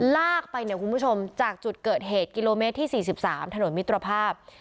ลากไปเนี่ยคุณผู้ชมจากจุดเกิดเหตุกิโลเมตรที่๔๓ถนนมิตรภาพ